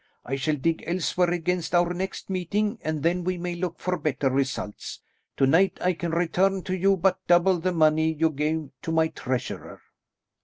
I shall dig elsewhere against our next meeting, and then we may look for better results. To night I can return to you but double the money you gave to my treasurer."